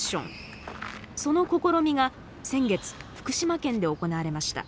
その試みが先月福島県で行われました。